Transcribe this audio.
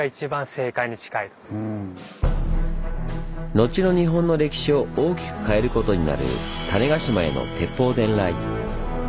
後の日本の歴史を大きく変えることになる種子島への鉄砲伝来。